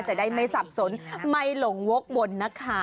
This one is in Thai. จะได้ไม่สับสนไม่หลงวกวนนะคะ